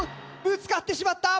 ぶつかってしまった。